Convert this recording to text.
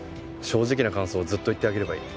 正直な感想をずっと言ってあげればいい。